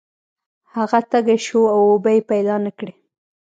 هغه تږی شو او اوبه یې پیدا نه کړې.